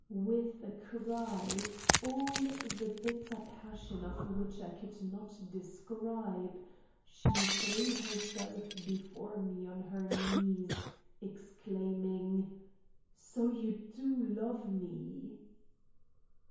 With a cry, all the bitter passion of which I could not describe, she threw herself before me on her knees, exclaiming: "So you do love me!"